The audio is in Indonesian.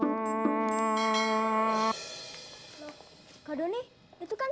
aku kan piketnya rina